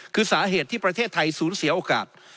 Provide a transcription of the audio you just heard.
คือสาเหตุที่ประเทศไทยสูญเสียโอกาส